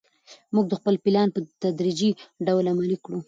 موږ به خپل پلان په تدریجي ډول عملي کړو.